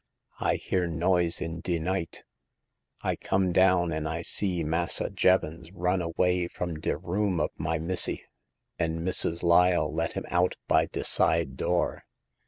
I hear noise in de night ; I come down, and I see Massa Jevons run away from de room of my missy, and Missus Lyle let him out by de side door.